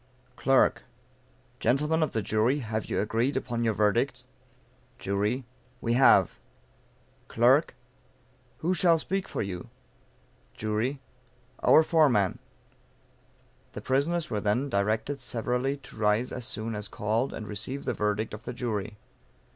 Clerk. Gentlemen of the Jury, have you agreed upon your verdict? Jury. We have. Clerk. Who shall speak for you? Jury. Our foreman. The prisoners were then directed severally to rise as soon as called, and receive the verdict of the jury.